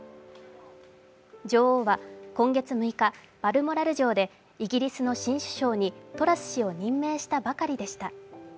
女王は今月６日、バルモラル城でイギリスの新首相にトラス氏を任命したばかりでした。